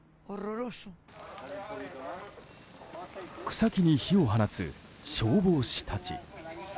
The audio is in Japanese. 草木に火を放つ消防士たち。